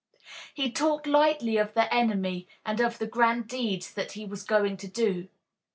He talked lightly of the enemy and of the grand deeds that he was going to do.